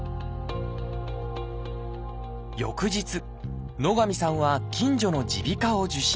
翌日野上さんは近所の耳鼻科を受診。